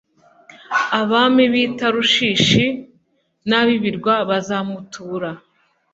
Abami b’i Tarishishi n’ab’ibirwa bazamutura